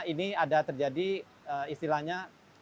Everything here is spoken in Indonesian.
ini ada terjadi istilahnya